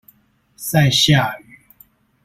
賽夏語